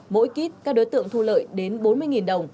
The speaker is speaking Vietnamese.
mỗi kýt các đối tượng thu lợi đến bốn mươi nghìn đồng